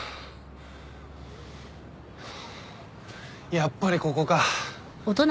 やっぱりここか。